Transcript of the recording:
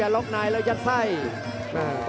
โอ้โหไม่พลาดกับธนาคมโด้แดงเขาสร้างแบบนี้